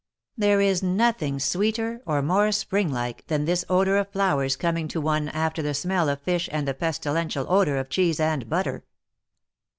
There is nothing sweeter or more spring like than this odor of flowers coming to one after the smell of fish and the pestilential odor of cheese and butter.